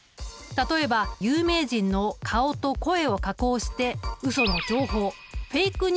例えば有名人の顔と声を加工してうその情報フェイクニュースを広めることもできる。